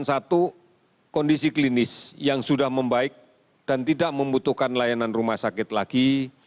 satu kondisi klinis yang sudah membaik dan tidak membutuhkan layanan rumah sakit lagi